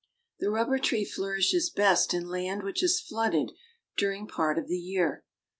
The rubber tree flourishes best in land which is flooded during part of the year.